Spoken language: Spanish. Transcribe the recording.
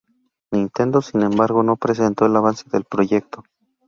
Nintendo sin embargo no presentó el avance del proyecto.